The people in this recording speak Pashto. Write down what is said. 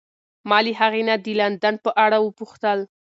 ما له هغې نه د لندن په اړه وپوښتل.